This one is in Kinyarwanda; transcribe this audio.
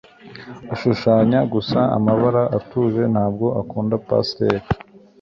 Ashushanya gusa amabara atuje; ntabwo akunda pastel.